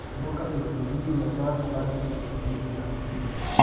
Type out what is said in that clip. Mwaka elfu mbili na tatu hadi elfu mbili na sita